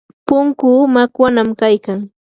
punkuu makwanam kaykan.